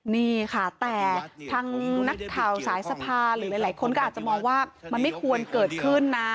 นี่ค่ะแต่ทางนักข่าวสายสภาหรือหลายคนก็อาจจะมองว่ามันไม่ควรเกิดขึ้นนะ